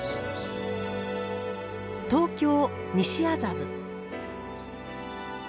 東京・西麻布。